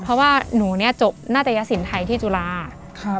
เพราะว่าหนูเนี่ยจบนาตยสินไทยที่จุฬา